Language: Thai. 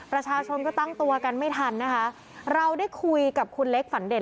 ประชาชนก็ตั้งตัวกันไม่ทันนะคะเราได้คุยกับคุณเล็กฝันเด่น